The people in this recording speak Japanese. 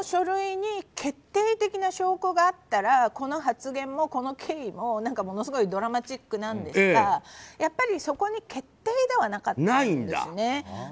その書類に決定的な証拠があればものすごいドラマチックなんですがやっぱりそこに決定打はなかったんですね。